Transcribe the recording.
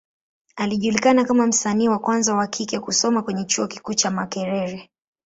Alijulikana kama msanii wa kwanza wa kike kusoma kwenye Chuo kikuu cha Makerere.